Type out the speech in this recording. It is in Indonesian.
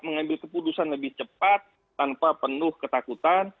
mengambil keputusan lebih cepat tanpa penuh ketakutan